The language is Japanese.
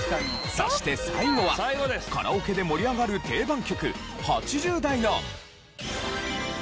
そして最後はカラオケで盛り上がる定番曲８０代の。